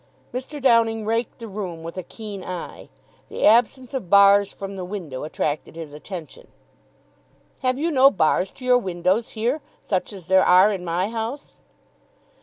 Mr. Downing raked the room with a keen eye. The absence of bars from the window attracted his attention. "Have you no bars to your windows here, such as there are in my house?"